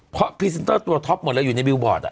เพราะพรีเซนเตอร์ตัวท็อปหมดเลยอยู่ในบิลบอร์ด